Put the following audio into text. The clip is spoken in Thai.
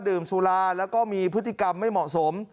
ดื่มสุราแล้วก็มีพฤติกรรมไม่เหมาะสม